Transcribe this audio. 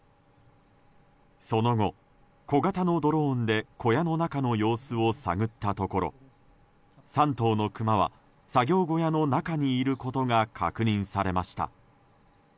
その後、小型のドローンで小屋の中の様子を探ったところ３頭のクマは作業小屋の中にいることが確認されました。